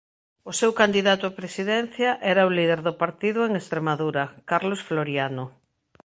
O seu candidato á presidencia era o líder do partido en Estremadura Carlos Floriano.